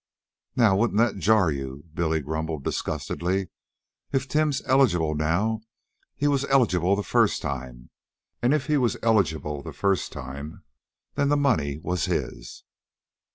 "Now wouldn't that jar you?" Billy grumbled disgustedly. "If Tim's eligible now, he was eligible the first time. An' if he was eligible the first time, then the money was his."